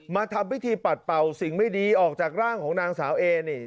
ทำพิธีปัดเป่าสิ่งไม่ดีออกจากร่างของนางสาวเอนี่